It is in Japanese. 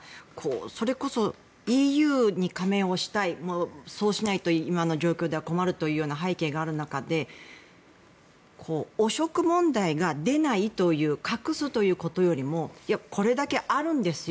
それこそＥＵの加盟をしたいそうしないと今の状況では困るというような背景がある中で汚職問題が出ないという隠すということよりもこれだけあるんですよ